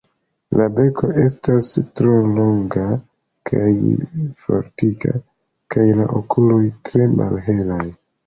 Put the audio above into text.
La beko estas mallonga kaj fortika kaj la okuloj tre malhelaj.